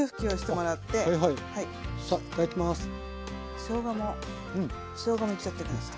しょうがもしょうがもいっちゃって下さい。